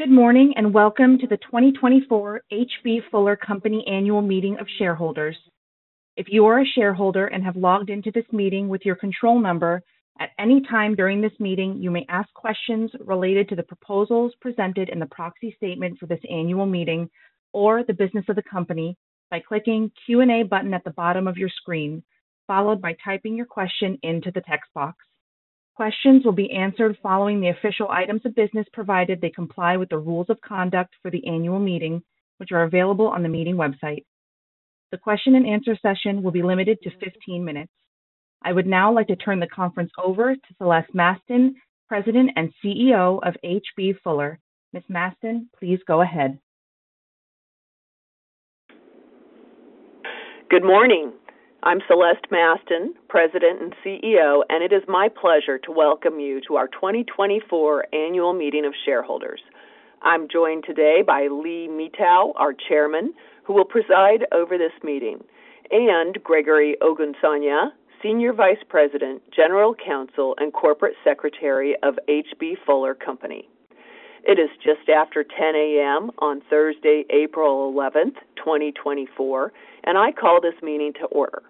Good morning, and welcome to the 2024 H.B. Fuller Company Annual Meeting of Shareholders. If you are a shareholder and have logged into this meeting with your control number, at any time during this meeting, you may ask questions related to the proposals presented in the proxy statement for this annual meeting or the business of the company by clicking Q&A button at the bottom of your screen, followed by typing your question into the text box. Questions will be answered following the official items of business, provided they comply with the rules of conduct for the annual meeting, which are available on the meeting website. The question and answer session will be limited to 15 minutes. I would now like to turn the conference over to Celeste Mastin, President and CEO of H.B. Fuller. Ms. Mastin, please go ahead. Good morning. I'm Celeste Mastin, President and CEO, and it is my pleasure to welcome you to our 2024 Annual Meeting of Shareholders. I'm joined today by Lee Mitau, our Chairman, who will preside over this meeting, and Gregory Ogunsanya, Senior Vice President, General Counsel, and Corporate Secretary of H.B. Fuller Company. It is just after 10 A.M. on Thursday, April 11, 2024, and I call this meeting to order.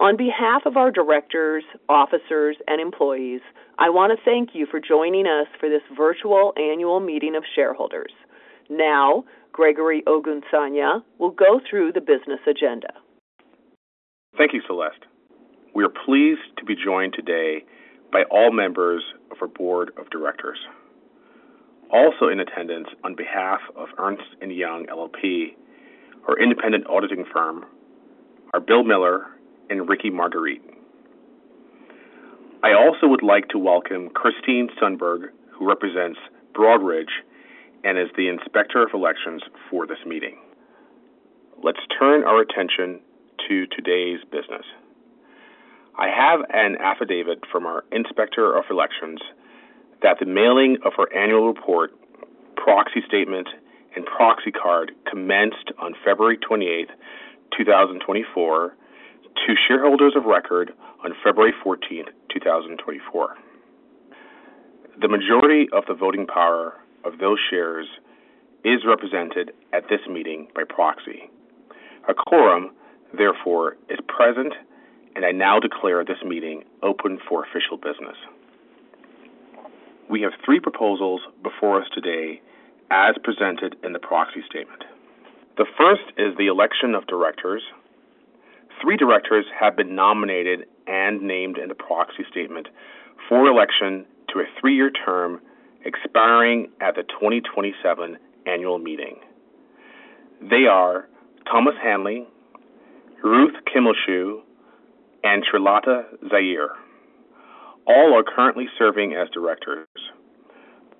On behalf of our directors, officers, and employees, I want to thank you for joining us for this virtual annual meeting of shareholders. Now, Gregory Ogunsanya will go through the business agenda. Thank you, Celeste. We are pleased to be joined today by all members of our board of directors. Also in attendance on behalf of Ernst & Young LLP, our independent auditing firm, are Bill Miller and Rick Marquette. I also would like to welcome Christine Sundberg, who represents Broadridge and is the Inspector of Elections for this meeting. Let's turn our attention to today's business. I have an affidavit from our Inspector of Elections that the mailing of our annual report, proxy statement, and proxy card commenced on February twenty-eight, two thousand and twenty-four, to shareholders of record on February fourteenth, two thousand and twenty-four. The majority of the voting power of those shares is represented at this meeting by proxy. A quorum, therefore, is present, and I now declare this meeting open for official business. We have three proposals before us today as presented in the proxy statement. The first is the election of directors. Three directors have been nominated and named in the proxy statement for election to a three-year term expiring at the 2027 annual meeting. They are Thomas Handley, Ruth Kimmelshue, and Srilata Zaheer. All are currently serving as directors.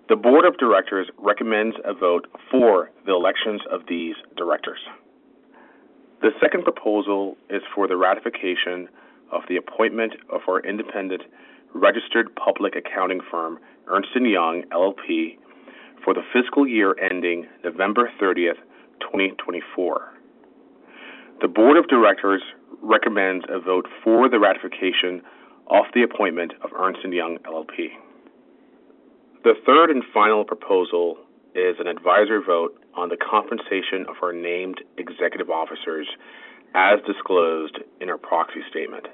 The board of directors recommends a vote for the elections of these directors. The second proposal is for the ratification of the appointment of our independent registered public accounting firm, Ernst & Young LLP, for the fiscal year ending November 30, 2024. The board of directors recommends a vote for the ratification of the appointment of Ernst & Young LLP. The third and final proposal is an advisory vote on the compensation of our named executive officers as disclosed in our proxy statement.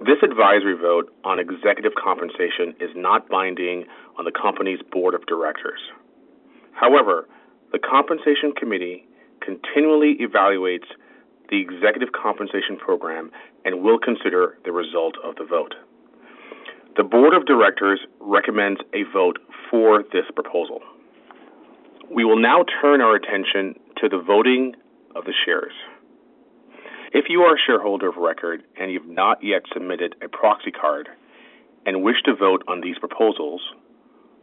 This advisory vote on executive compensation is not binding on the company's board of directors. However, the Compensation Committee continually evaluates the executive compensation program and will consider the result of the vote. The board of directors recommends a vote for this proposal. We will now turn our attention to the voting of the shares. If you are a shareholder of record and you've not yet submitted a proxy card and wish to vote on these proposals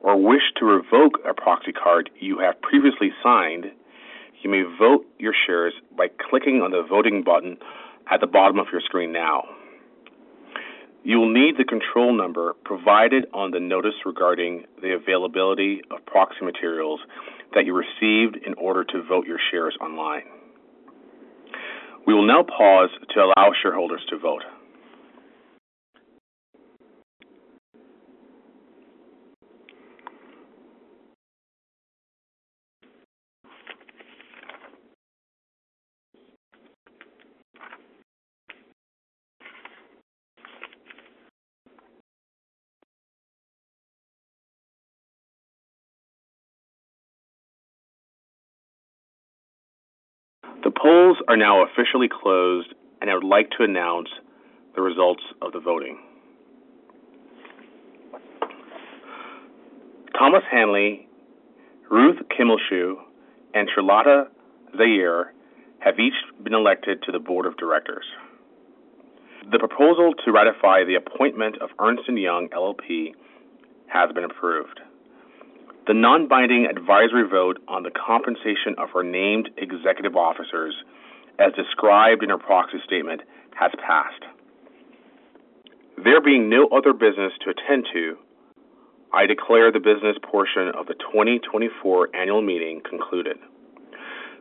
or wish to revoke a proxy card you have previously signed, you may vote your shares by clicking on the voting button at the bottom of your screen now. You will need the control number provided on the notice regarding the availability of proxy materials that you received in order to vote your shares online. We will now pause to allow shareholders to vote. The polls are now officially closed, and I would like to announce the results of the voting. Thomas Handley, Ruth Kimmelshue, and Srilata Zaheer have each been elected to the board of directors. The proposal to ratify the appointment of Ernst & Young LLP has been approved. The non-binding advisory vote on the compensation of our named executive officers, as described in our proxy statement, has passed. There being no other business to attend to, I declare the business portion of the 2024 annual meeting concluded.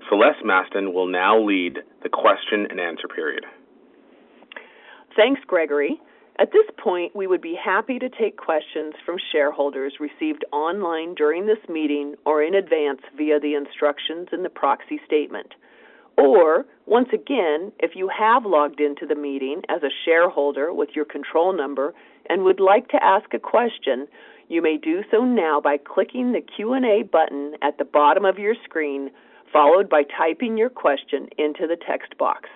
Celeste Mastin will now lead the question and answer period. Thanks, Gregory. At this point, we would be happy to take questions from shareholders received online during this meeting or in advance via the instructions in the proxy statement. Or once again, if you have logged into the meeting as a shareholder with your control number and would like to ask a question, you may do so now by clicking the Q&A button at the bottom of your screen, followed by typing your question into the text box.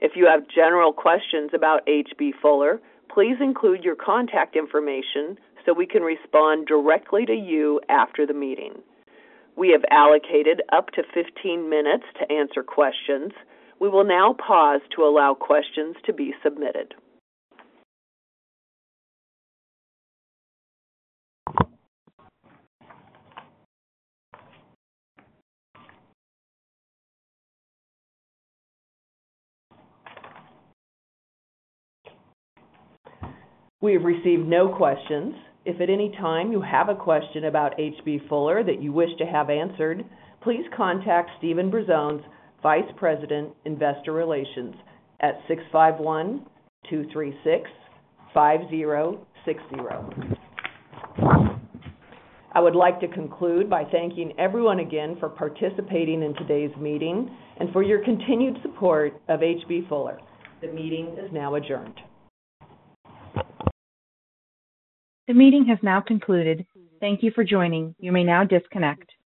If you have general questions about H.B. Fuller, please include your contact information so we can respond directly to you after the meeting. We have allocated up to 15 minutes to answer questions. We will now pause to allow questions to be submitted. We have received no questions. If at any time you have a question about H.B. Fuller that you wish to have answered, please contact Steven Brazones, Vice President, Investor Relations, at 651-236-5060. I would like to conclude by thanking everyone again for participating in today's meeting and for your continued support of H.B. Fuller. The meeting is now adjourned. The meeting has now concluded. Thank you for joining. You may now disconnect.